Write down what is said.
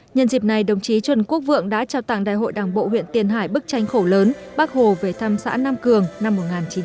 nhân dịp này đồng chí trần quốc vượng đã trao tặng đại hội đảng bộ huyện tiền hải bức tranh khổ lớn bác hồ về thăm xã nam cường năm một nghìn chín trăm bảy mươi năm